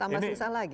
sama susah lagi